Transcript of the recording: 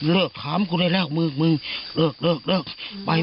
เลิกถามกูได้แล้วมือเลิก